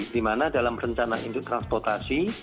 di mana dalam rencana induk transportasi